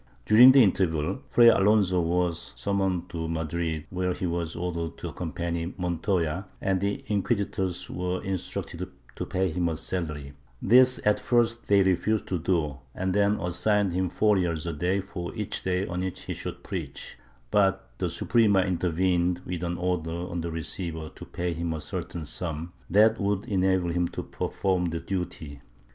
During the interval Fray Alonso was summoned to Madrid, where he was ordered to accompany Montoya, and the inquisitors were instructed to pay him a salary ; this at first they refused to do and then assigned him four reales a day for each day on which he should preach, but the Suprema intervened with an order on the receiver to pay him a certain simi that would enable him to perform the duty.